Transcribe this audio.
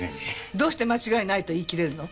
どうして間違いないと言い切れるの？